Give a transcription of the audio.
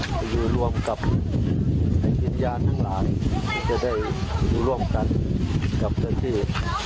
จะอยู่ร่วมกับไอ้กินยาทั้งหลานจะได้อยู่ร่วมกันกับเจ้าพี่